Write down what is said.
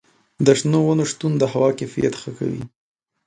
د شنو ونو شتون د هوا کیفیت ښه کوي.